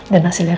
dan hasilnya kan